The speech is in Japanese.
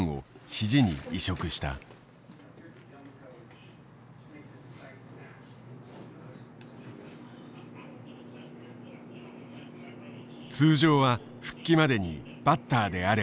通常は復帰までにバッターであれば半年ほど。